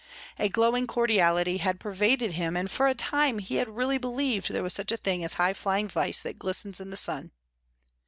A glowing cordiality had pervaded him and for a time he had really believed there was such a thing as high flying vice that glistens in the sun.